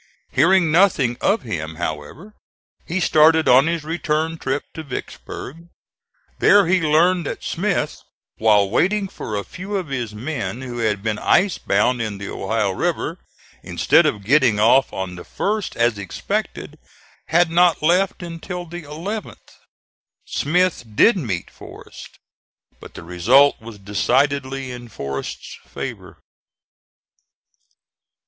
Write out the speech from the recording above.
Hearing nothing of him, however, he started on his return trip to Vicksburg. There he learned that Smith, while waiting for a few of his men who had been ice bound in the Ohio River, instead of getting off on the 1st as expected, had not left until the 11th. Smith did meet Forrest, but the result was decidedly in Forrest's favor.